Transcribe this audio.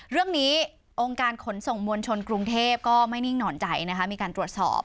เรื่องนี้องค์การขนส่งมวลชนกรุงเทพก็ไม่นิ่งนอนใจนะคะมีการตรวจสอบ